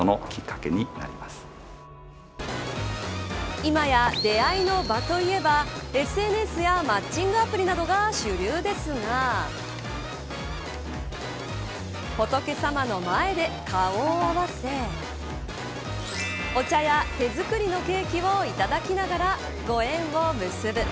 今や、出会いの場といえばＳＮＳやマッチングアプリなどが主流ですが仏様の前で顔を合わせお茶や手作りのケーキをいただきながら御縁を結ぶ。